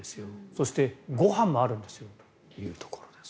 そしてご飯もあるんですよというところです。